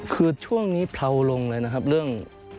คือช่วงนี้เลาลงเลยนะครับเรื่อง